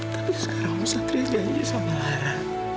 tapi sekarang om satria janji sama lara